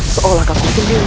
seolah kaku penyelam